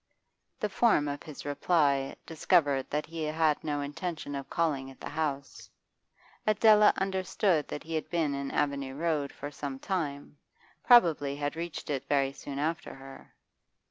The form of his reply discovered that he had no intention of calling at the house; Adela understood that he had been in Avenue Road for some time, probably had reached it very soon after her.